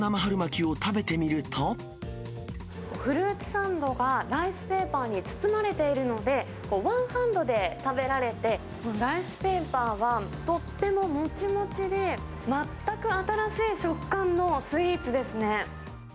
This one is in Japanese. フルーツサンドがライスペーパーに包まれているので、ワンハンドで食べられて、ライスペーパーはとってももちもちで、全く新しい食感のスイーツですね。